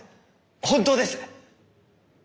本当です！